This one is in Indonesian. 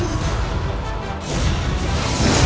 ini mah aneh